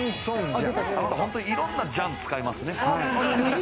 あなた、本当にいろんなジャンを使いますね。